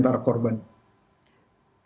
jadi kita harus berharap bahwa ada di antara korban